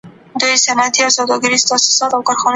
اقتصاد پوهنځۍ بې دلیله نه تړل کیږي.